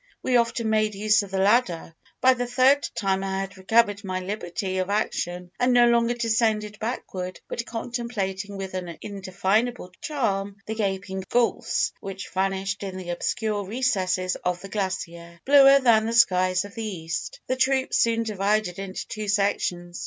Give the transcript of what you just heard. We often made use of the ladder. By the third time I had recovered my liberty of action, and no longer descended backward, but contemplating with an undefinable charm the gaping gulfs which vanished in the obscure recesses of the glacier, bluer than the skies of the East. "The troop soon divided into two sections.